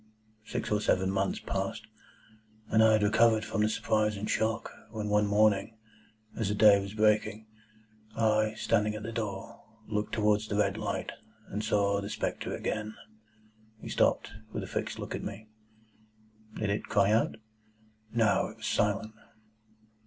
Six or seven months passed, and I had recovered from the surprise and shock, when one morning, as the day was breaking, I, standing at the door, looked towards the red light, and saw the spectre again." He stopped, with a fixed look at me. "Did it cry out?" "No. It was silent."